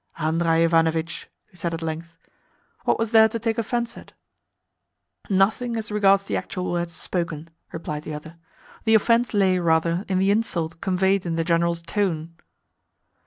"Andrei Ivanovitch," he said at length, "what was there to take offence at?" "Nothing, as regards the actual words spoken," replied the other. "The offence lay, rather, in the insult conveyed in the General's tone."